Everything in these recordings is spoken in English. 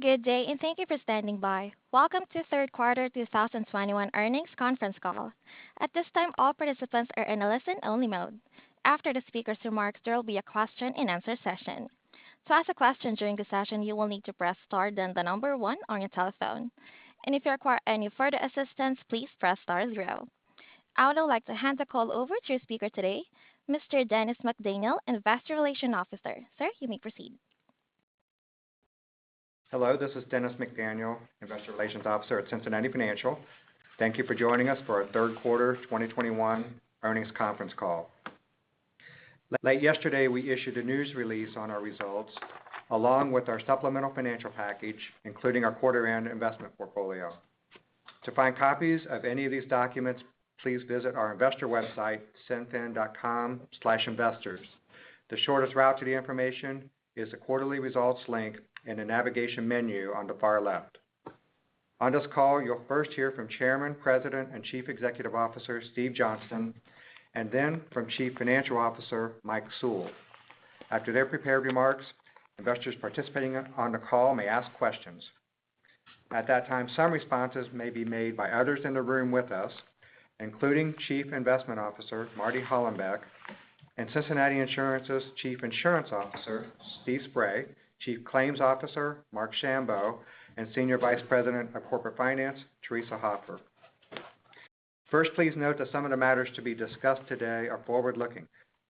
Good day, and thank you for standing by. Welcome to third quarter 2021 earnings conference call. At this time, all participants are in a listen-only mode. After the speaker's remarks, there will be a question-and-answer session. To ask a question during the session, you will need to press star, then the number 1 on your telephone. If you require any further assistance, please press star 0. I would like to hand the call over to your speaker today, Mr. Dennis McDaniel, Investor Relations Officer. Sir, you may proceed. Hello, this is Dennis McDaniel, Investor Relations Officer at Cincinnati Financial. Thank you for joining us for our Q3 of 2021 earnings conference call. Late yesterday, we issued a news release on our results along with our supplemental financial package, including our quarter-end investment portfolio. To find copies of any of these documents, please visit our investor website, cinfin.com/investors. The shortest route to the information is the quarterly results link in the navigation menu on the far left. On this call, you'll first hear from Chairman, President, and Chief Executive Officer, Steve Johnston, and then from Chief Financial Officer, Mike Sewell. After their prepared remarks, investors participating on the call may ask questions. At that time, some responses may be made by others in the room with us, including Chief Investment Officer Marty Hollenbeck and Cincinnati Insurance's Chief Insurance Officer, Steve Spray, Chief Claims Officer, Marc Schambow, and Senior Vice President of Corporate Finance, Theresa Hoffer. 1st, please note that some of the matters to be discussed today are forward-looking.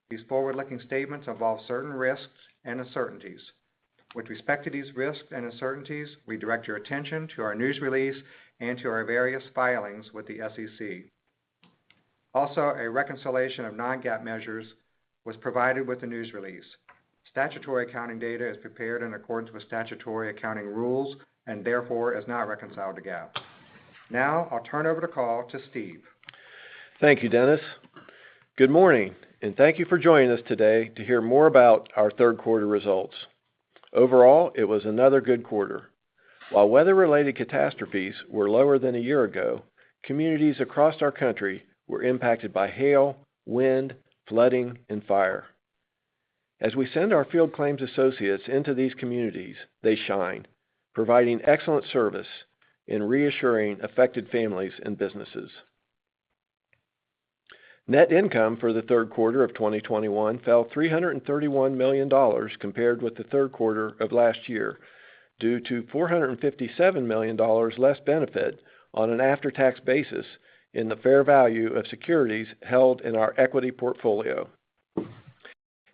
These forward-looking statements involve certain risks and uncertainties. With respect to these risks and uncertainties, we direct your attention to our news release and to our various filings with the SEC. Also, a reconciliation of non-GAAP measures was provided with the news release. Statutory accounting data is prepared in accordance with statutory accounting rules and therefore is not reconciled to GAAP. Now, I'll turn over the call to Steve. Thank you, Dennis. Good morning, and thank you for joining us today to hear more about our third quarter results. Overall, it was another good quarter. While weather-related catastrophes were lower than a year ago, communities across our country were impacted by hail, wind, flooding, and fire. As we send our field claims associates into these communities, they shine, providing excellent service in reassuring affected families and businesses. Net income for the Q3 of 2021 fell $331 million compared with the Q3 of last year due to $457 million less benefit on an after-tax basis in the fair value of securities held in our equity portfolio.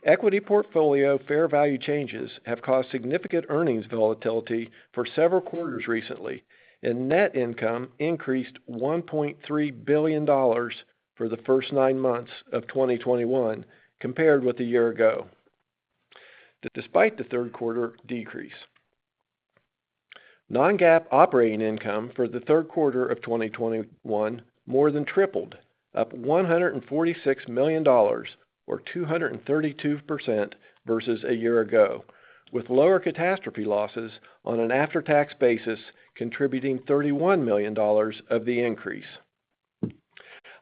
Equity portfolio fair value changes have caused significant earnings volatility for several quarters recently, and net income increased $1.3 billion for the first 9 months of 2021 compared with a year ago, despite the Q3 decrease. non-GAAP operating income for the Q3 of 2021 more than tripled, up $146 million or 232% versus a year ago, with lower catastrophe losses on an after-tax basis, contributing $31 million of the increase.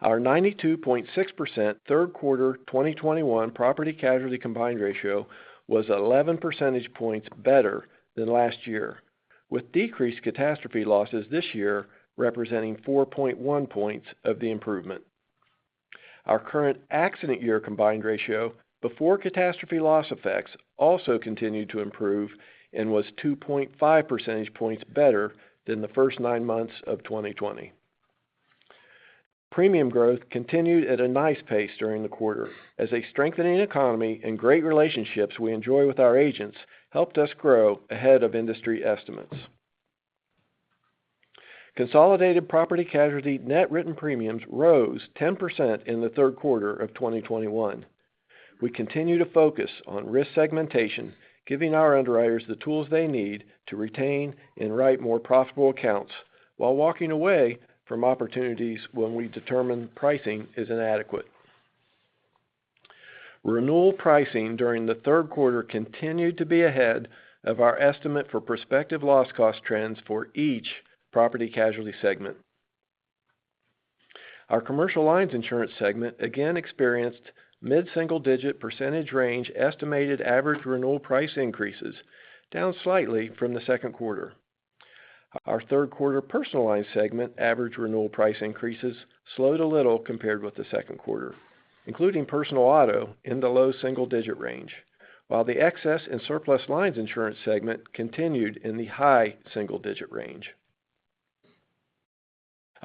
Our 92.6% third quarter 2021 property casualty combined ratio was 11 percentage points better than last year, with decreased catastrophe losses this year representing 4.1 points of the improvement. Our current accident year combined ratio, before catastrophe loss effects, also continued to improve and was 2.5 percentage points better than the first 9 months of 2020. Premium growth continued at a nice pace during the quarter as a strengthening economy and great relationships we enjoy with our agents helped us grow ahead of industry estimates. Consolidated property casualty net written premiums rose 10% in the third quarter of 2021. We continue to focus on risk segmentation, giving our underwriters the tools they need to retain and write more profitable accounts while walking away from opportunities when we determine pricing is inadequate. Renewal pricing during the third quarter continued to be ahead of our estimate for prospective loss cost trends for each property casualty segment. Our commercial lines insurance segment again experienced mid-single digit percentage range estimated average renewal price increases, down slightly from the Q2. Our Q3 personal line segment average renewal price increases slowed a little compared with the Q2, including personal auto in the low single digit range, while the excess and surplus lines insurance segment continued in the high single digit range.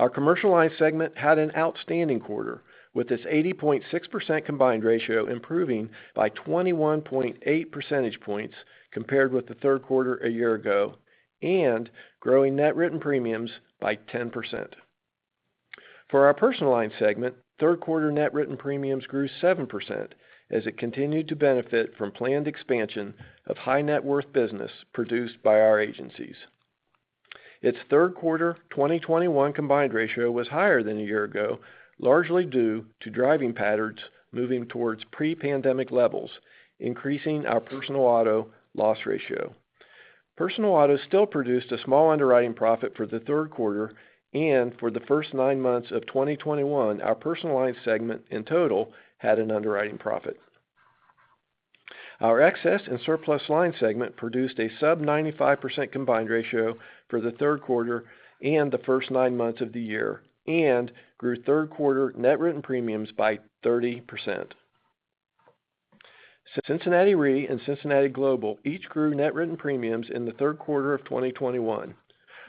Our commercial line segment had an outstanding quarter with its 80.6% combined ratio improving by 21.8 percentage points compared with the Q3 a year ago and growing net written premiumsFor our personal line segment, Q3 net written premiums grew 7% as it continued to benefit from planned expansion of high net worth business produced by our agencies. Its Q3 of 2021 combined ratio was higher than a year ago, largely due to driving patterns moving towards pre-pandemic levels, increasing our personal auto loss ratio. Personal auto still produced a small underwriting profit for the Q3 and for the first nine months of 2021, our personal line segment in total had an underwriting profit. Our excess and surplus line segment produced a sub 95% combined ratio for the Q3 and the first 9 months of the year, and grew Q3 net written premiums by 30%. Cincinnati Re and Cincinnati Global each grew net written premiums in the Q3 of 2021.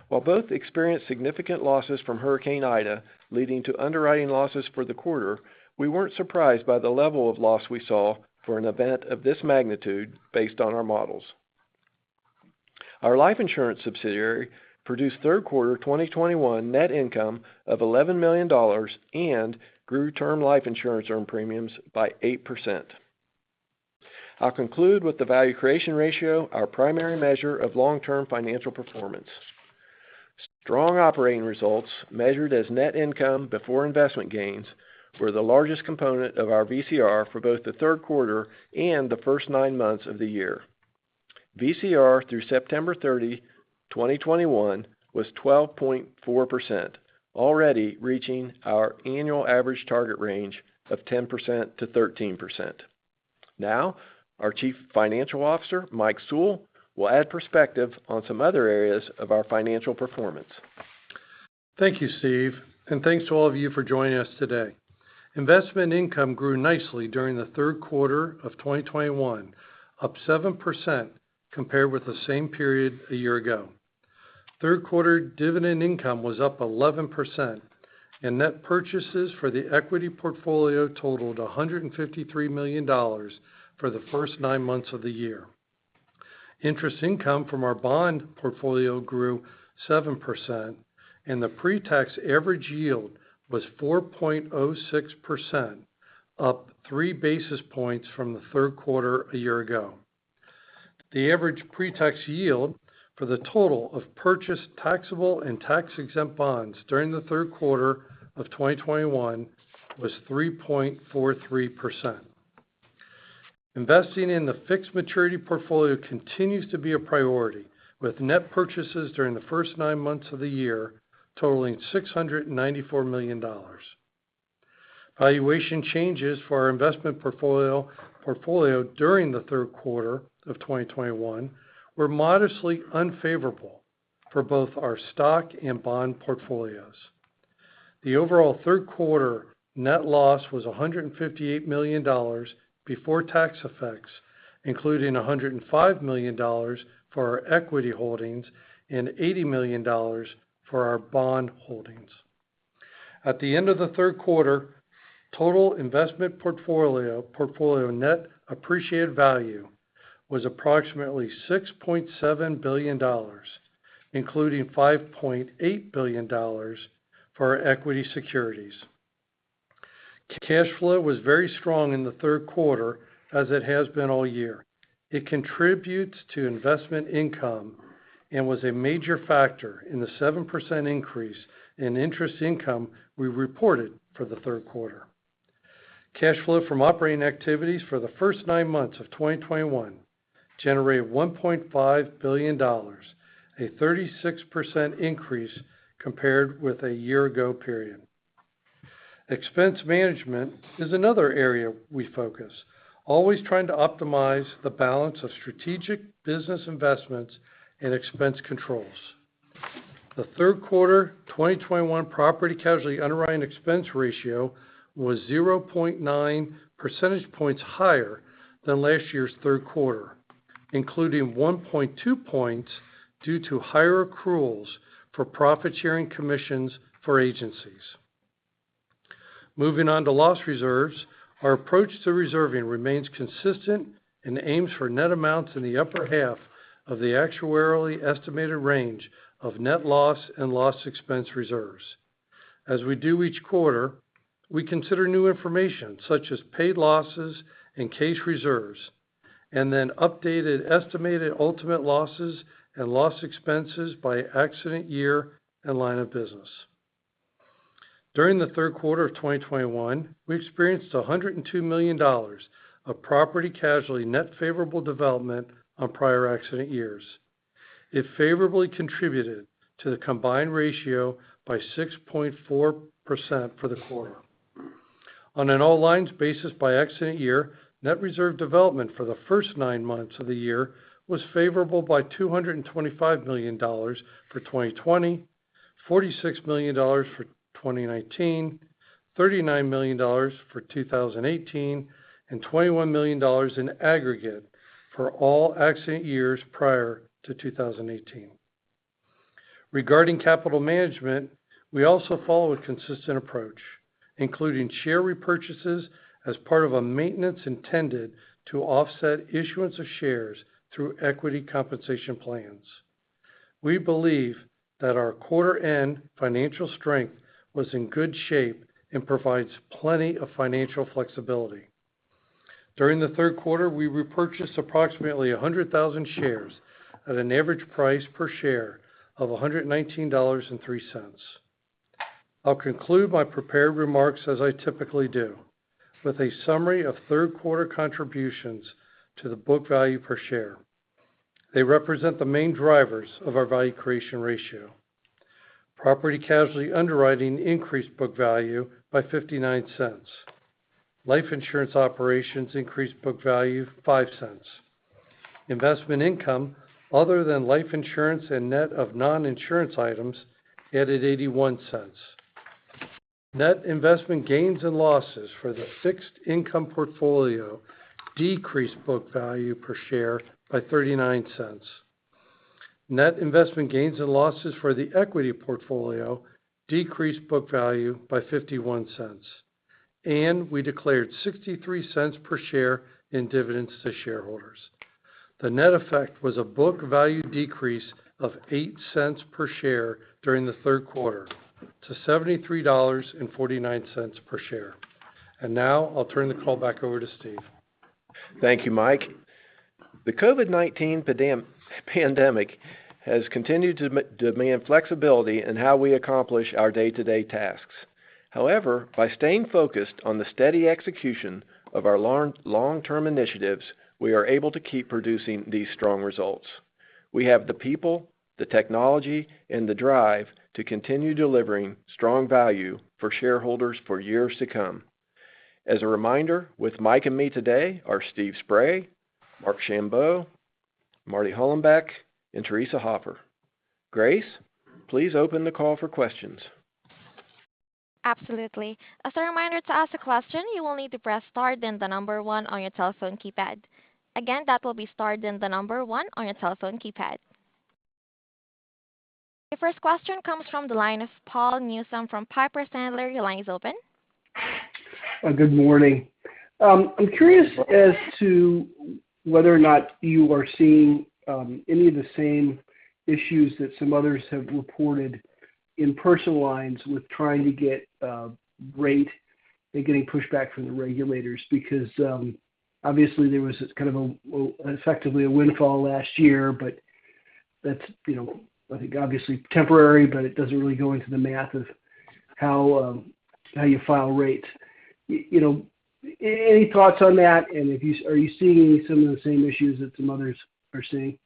While both experienced significant losses from Hurricane Ida, leading to underwriting losses for the quarter, we weren't surprised by the level of loss we saw for an event of this magnitude based on our models. Our life insurance subsidiary produced Q3 of 2021 net income of $11 million and grew term life insurance earned premiums by 8%. I'll conclude with the value creation ratio, our primary measure of long-term financial performance. Strong operating results, measured as net income before investment gains, were the largest component of our VCR for both the third quarter and the first 9 months of the year. VCR through September 30, 2021 was 12.4%, already reaching our annual average target range of 10% to 13%. Now, our Chief Financial Officer, Mike Sewell, will add perspective on some other areas of our financial performance. Thank you, Steve. Thanks to all of you for joining us today. Investment income grew nicely during the Q3 of 2021, up 7% compared with the same period a year ago. Q3 dividend income was up 11%, and net purchases for the equity portfolio totaled $153 million for the first 9 months of the year. Interest income from our bond portfolio grew 7%, and the pre-tax average yield was 4.06%, up three basis points from the Q3 a year ago. The average pre-tax yield for the total of purchased taxable and tax-exempt bonds during the Q3 of 2021 was 3.43%. Investing in the fixed maturity portfolio continues to be a priority, with net purchases during the first 9 months of the year totaling $694 million. Valuation changes for our investment portfolio during the third quarter of 2021 were modestly unfavorable for both our stock and bond portfolios. The overall Q3 net loss was $158 million before tax effects, including $105 million for our equity holdings and $80 million for our bond holdings. At the end of the Q3, total investment portfolio net appreciated value was approximately $6.7 billion, including $5.8 billion for our equity securities. Cash flow was very strong in the Q3, as it has been all year. It contributes to investment income and was a major factor in the 7% increase in interest income we reported for the Q3. Cash flow from operating activities for the first 9 months of 2021 generated $1.5 billion, a 36% increase compared with the year-ago period. Expense management is another area we focus, always trying to optimize the balance of strategic business investments and expense controls. The Q3 of 2021 property casualty underwriting expense ratio was 0.9 percentage points higher than last year's Q3, including 1.2 points due to higher accruals for profit-sharing commissions for agencies. Moving on to loss reserves, our approach to reserving remains consistent and aims for net amounts in the upper half of the actuarially estimated range of net loss and loss expense reserves. As we do each quarter, we consider new information, such as paid losses and case reserves, and then updated estimated ultimate losses and loss expenses by accident year and line of business. During the third quarter of 2021, we experienced $102 million of property casualty net favorable development on prior accident years. It favorably contributed to the combined ratio by 6.4% for the quarter. On an all lines basis by accident year, net reserve development for the first 9 months of the year was favorable by $225 million for 2020, $46 million for 2019, $39 million for 2018, and $21 million in aggregate for all accident years prior to 2018. Regarding capital management, we also follow a consistent approach, including share repurchases as part of a maintenance intended to offset issuance of shares through equity compensation plans. We believe that our quarter-end financial strength was in good shape and provides plenty of financial flexibility. During the Q3, we repurchased approximately 100,000 shares at an average price per share of $119.03. I'll conclude my prepared remarks as I typically do, with a summary of third quarter contributions to the book value per share. They represent the main drivers of our value creation ratio. Property casualty underwriting increased book value by $0.59. Life insurance operations increased book value 5 cents. Investment income, other than life insurance and net of non-insurance items, added $0.81. Net investment gains and losses for the fixed income portfolio decreased book value per share by $0.39. Net investment gains and losses for the equity portfolio decreased book value by $0.51. We declared $0.63 per share in dividends to shareholders. The net effect was a book value decrease of $0.08 per share during the Q3 to $73.49 per share. Now I'll turn the call back over to Steve. Thank you, Mike. The COVID-19 pandemic has continued to demand flexibility in how we accomplish our day-to-day tasks. However, by staying focused on the steady execution of our long-term initiatives, we are able to keep producing these strong results. We have the people, the technology, and the drive to continue delivering strong value for shareholders for years to come. As a reminder, with Mike and me today are Steve Spray, Marc Schambow, Marty Hollenbeck, and Theresa Hoffer. Grace, please open the call for questions. Absolutely. As a reminder to ask a question, you will need to press star, then the number one on your telephone keypad. Again, that will be star, then the number one on your telephone keypad. Your 1st question comes from the line of Paul Newsome from Piper Sandler. Your line is open. Good morning. I'm curious as to whether or not you are seeing any of the same issues that some others have reported in personal lines with trying to get rate and getting pushback from the regulators because obviously there was this kind of effectively a windfall last year, but that's, you know, I think obviously temporary, but it doesn't really go into the math of how you file rates. You know, any thoughts on that, and are you seeing some of the same issues that some others are seeing?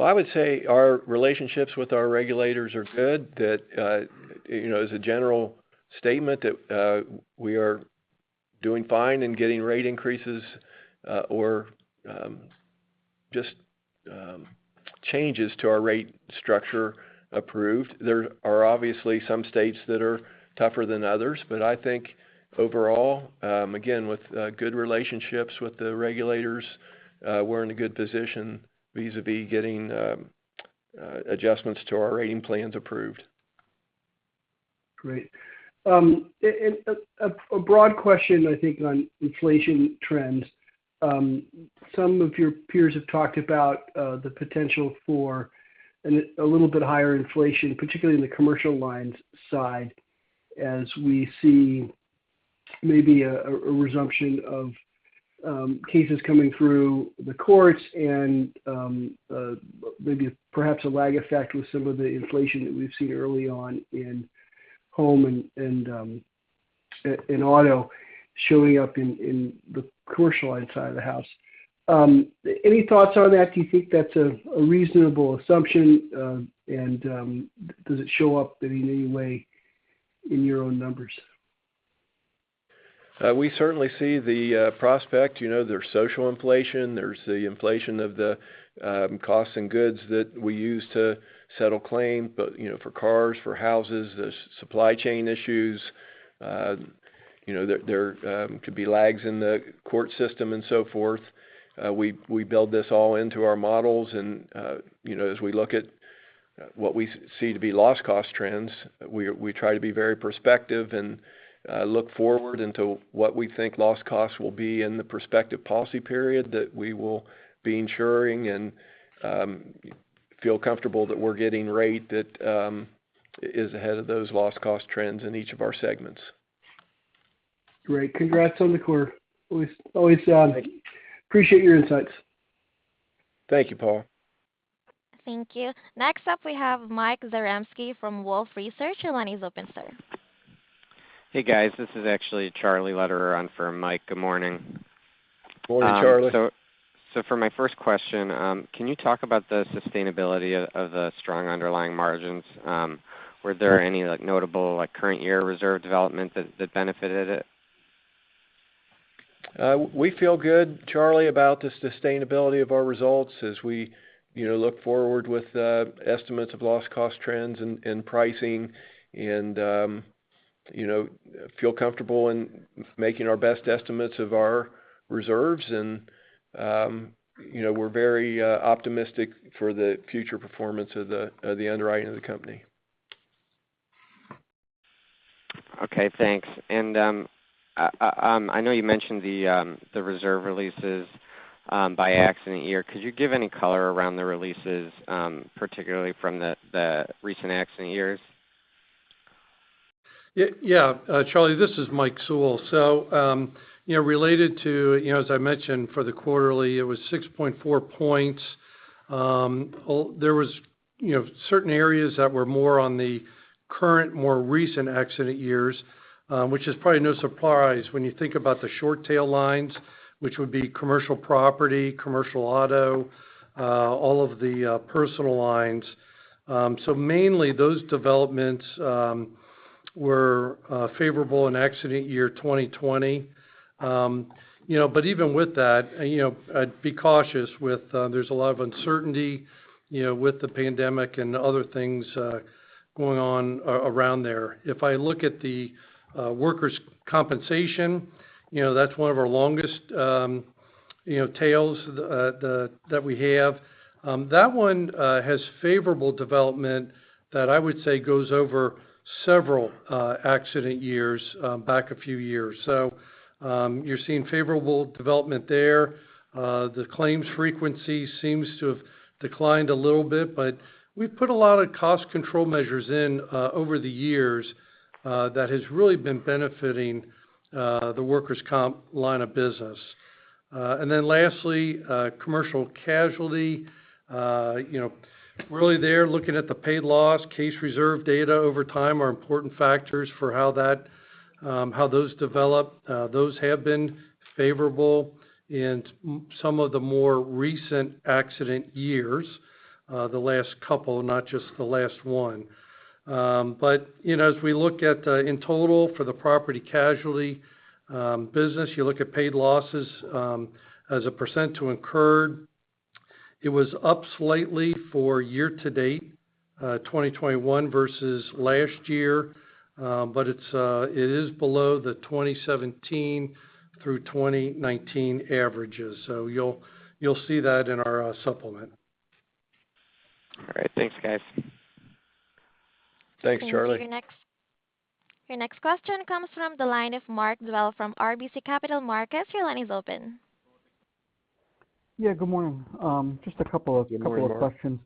Well, I would say our relationships with our regulators are good. That, you know, as a general statement, we are doing fine and getting rate increases, or just changes to our rate structure approved. There are obviously some states that are tougher than others, but I think overall, again, with good relationships with the regulators, we're in a good position vis-à-vis getting adjustments to our rating plans approved. Great. A broad question, I think, on inflation trends. Some of your peers have talked about the potential for a little bit higher inflation, particularly in the commercial lines side as we see maybe a resumption of cases coming through the courts and maybe perhaps a lag effect with some of the inflation that we've seen early on in home and in auto showing up in the commercial side of the house. Any thoughts on that? Do you think that's a reasonable assumption? Does it show up in any way in your own numbers? We certainly see the prospect. You know, there's social inflation, there's the inflation of the costs and goods that we use to settle claims, but, you know, for cars, for houses, there's supply chain issues. You know, there could be lags in the court system and so forth. We build this all into our models and, you know, as we look at what we see to be loss cost trends, we try to be very prospective and look forward into what we think loss costs will be in the prospective policy period that we will be insuring and feel comfortable that we're getting rate that is ahead of those loss cost trends in each of our segments. Great. Congrats on the quarter. Always, Thank you. appreciate your insights. Thank you, Paul. Thank you. Next up, we have Mike Zaremski from Wolfe Research. Your line is open, sir. Hey, guys. This is actually Charlie Lederer on for Mike. Good morning. Morning, Charlie. For my 1st question, can you talk about the sustainability of the strong underlying margins? Were there any, like, notable, like, current year reserve development that benefited it? We feel good, Charlie, about the sustainability of our results as we, you know, look forward with estimates of loss cost trends and pricing and you know, feel comfortable in making our best estimates of our reserves and you know, we're very optimistic for the future performance of the underwriting of the company. Okay, thanks. I know you mentioned the reserve releases by accident year. Could you give any color around the releases, particularly from the recent accident years? Yeah, yeah. Charlie, this is Mike Sewell. You know, related to, you know, as I mentioned for the quarterly, it was 6.4 points. There was, you know, certain areas that were more on the current, more recent accident years, which is probably no surprise when you think about the short tail lines, which would be commercial property, commercial auto, all of the personal lines. Mainly those developments were favorable in accident year 2020. You know, even with that, you know, I'd be cautious. There's a lot of uncertainty, you know, with the pandemic and other things going on around there. If I look at workers' compensation, you know, that's one of our longest tails that we have. That one has favorable development that I would say goes over several accident years back a few years. You're seeing favorable development there. The claims frequency seems to have declined a little bit, but we've put a lot of cost control measures in over the years that has really been benefiting the workers' comp line of business. Then lastly, commercial casualty. You know, really there, looking at the paid loss, case reserve data over time are important factors for how that, how those develop. Those have been favorable in some of the more recent accident years, the last couple, not just the last one. You know, as we look at in total for the property casualty business, you look at paid losses as a percent to incurred. It was up slightly for year to date, 2021 versus last year. It is below the 2017 through 2019 averages. You'll see that in our supplement. All right. Thanks, guys. Thanks, Charlie. Your next question comes from the line of Mark Dwelle from RBC Capital Markets. Your line is open. Yeah, good morning. Just a couple of Good morning, Mark. Couple of questions.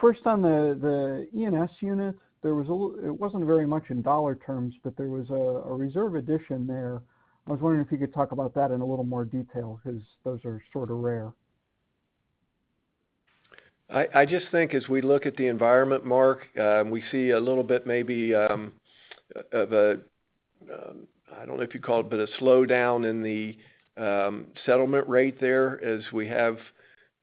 1st on the E&S unit, there was. It wasn't very much in dollar terms, but there was a reserve addition there. I was wondering if you could talk about that in a little more detail 'cause those are sort of rare. I just think as we look at the environment, Mark, we see a little bit maybe of a I don't know if you'd call it, but a slowdown in the settlement rate there as we have,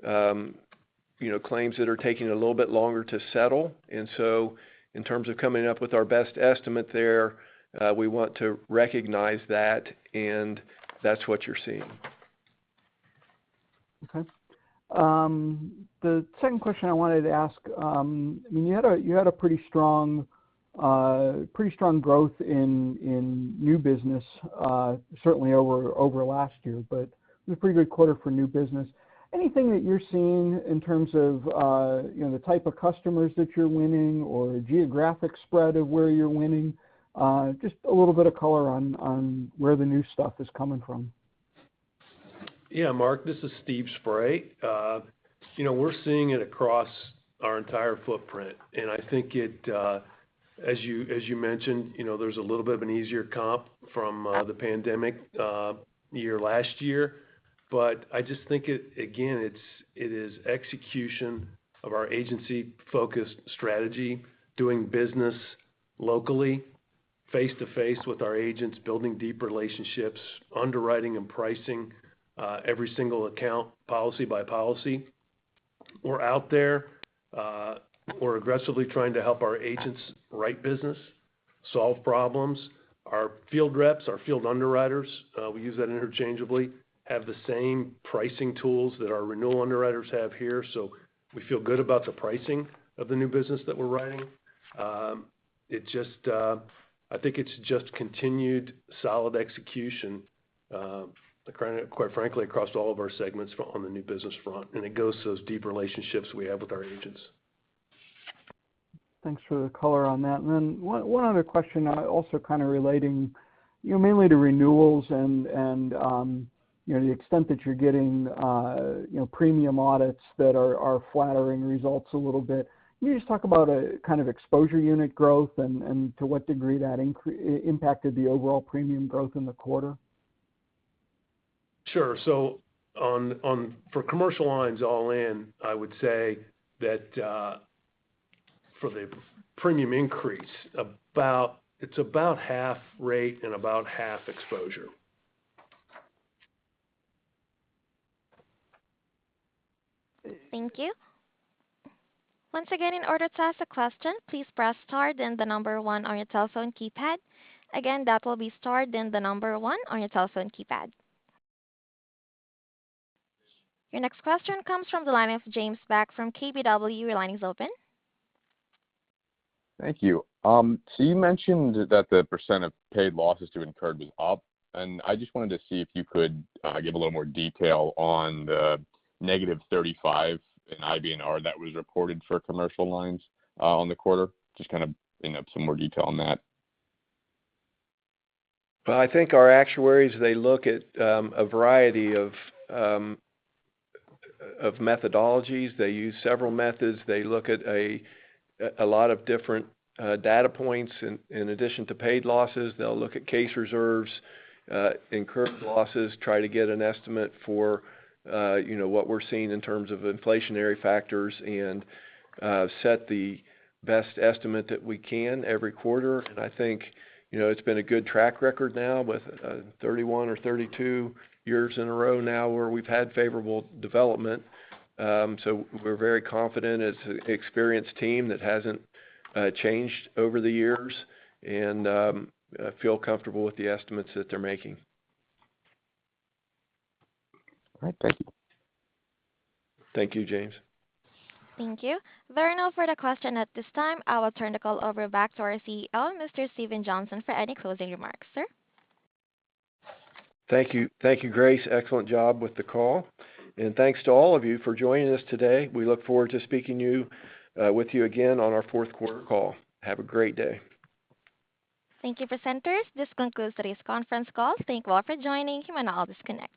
you know, claims that are taking a little bit longer to settle. In terms of coming up with our best estimate there, we want to recognize that, and that's what you're seeing. Okay. The second question I wanted to ask, I mean, you had a pretty strong growth in new business, certainly over last year, but it was a pretty good quarter for new business. Anything that you're seeing in terms of, you know, the type of customers that you're winning or geographic spread of where you're winning? Just a little bit of color on where the new stuff is coming from. Yeah, Mark, this is Steve Spray. You know, we're seeing it across our entire footprint, and I think it, as you mentioned, you know, there's a little bit of an easier comp from the pandemic year last year. I just think it is execution of our agency-focused strategy, doing business locally, face-to-face with our agents, building deep relationships, underwriting and pricing every single account policy by policy. We're out there, we're aggressively trying to help our agents write business, solve problems. Our field reps, our field underwriters, we use that interchangeably, have the same pricing tools that our renewal underwriters have here. So we feel good about the pricing of the new business that we're writing. It just, I think it's just continued solid execution, quite frankly, across all of our segments on the new business front, and it goes to those deep relationships we have with our agents. Thanks for the color on that. Then 1 other question, also kind of relating, you know, mainly to renewals and, you know, the extent that you're getting, you know, premium audits that are flattering results a little bit. Can you just talk about a kind of exposure unit growth and to what degree that impacted the overall premium growth in the quarter? Sure. For commercial lines all in, I would say that for the premium increase it's about half rate and about half exposure. Thank you. Once again, in order to ask a question, please press star then the number one on your telephone keypad. Again, that will be star then the number one on your telephone keypad. Your next question comes from the line of James Bach from KBW. Your line is open. Thank you. You mentioned that the percent of paid losses to incurred was up, and I just wanted to see if you could give a little more detail on the negative 35 in IBNR that was reported for commercial lines on the quarter. Just kind of, you know, some more detail on that. Well, I think our actuaries, they look at a variety of methodologies. They use several methods. They look at a lot of different data points in addition to paid losses. They'll look at case reserves, incurred losses, try to get an estimate for, you know, what we're seeing in terms of inflationary factors and set the best estimate that we can every quarter. I think, you know, it's been a good track record now with 31 or 32 years in a row now where we've had favorable development. We're very confident. It's an experienced team that hasn't changed over the years and feel comfortable with the estimates that they're making. All right. Great. Thank you, James. Thank you. There are no further questions at this time. I will turn the call back over to our CEO, Mr. Steve Johnston, for any closing remarks. Sir? Thank you. Thank you, Grace. Excellent job with the call. Thanks to all of you for joining us today. We look forward to speaking with you again on our Q4 call. Have a great day. Thank you, presenters. This concludes today's conference call. Thank you all for joining. You may now disconnect.